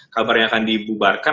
kabarnya yang akan dibubarkan